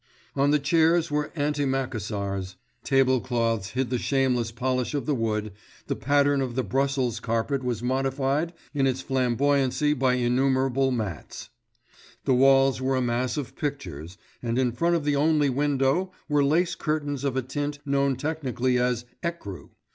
On the chairs were antimacassars, table cloths hid the shameless polish of the wood, the pattern of the Brussels carpet was modified in its flamboyancy by innumerable mats. The walls were a mass of pictures, and in front of the only window were lace curtains of a tint known technically as "ecru."